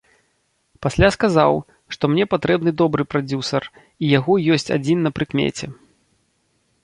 Пасля сказаў, што мне патрэбны добры прадзюсар і яго ёсць адзін на прыкмеце.